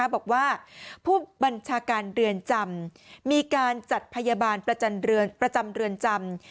บอกว่าผู้บัญชาการเรือนจำมีการจัดพยาบาลประจำเรือนจำ